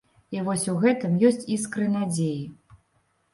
І вось у гэтым есць іскры надзеі.